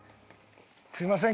すみません